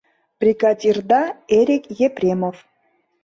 — Бригадирда, Эрик Епремов.